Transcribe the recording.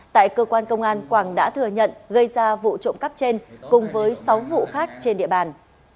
tại cơ quan công an quảng đã thừa nhận gây ra vụ trộm cắp trên cùng với sáu vụ khác trên địa bàn